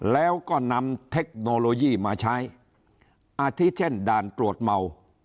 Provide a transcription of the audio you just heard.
แล้วก็นำเทคโนโลยีมาใช้อาทิตเช่นด่านตรวจเมา